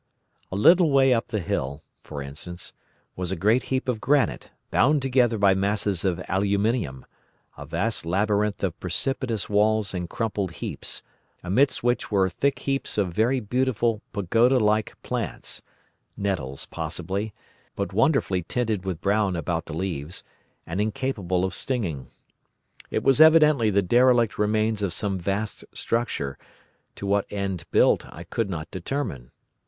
A little way up the hill, for instance, was a great heap of granite, bound together by masses of aluminium, a vast labyrinth of precipitous walls and crumpled heaps, amidst which were thick heaps of very beautiful pagoda like plants—nettles possibly—but wonderfully tinted with brown about the leaves, and incapable of stinging. It was evidently the derelict remains of some vast structure, to what end built I could not determine.